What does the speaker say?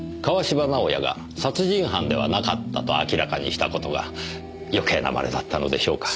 芝直哉が殺人犯ではなかったと明らかにした事が余計なまねだったのでしょうか。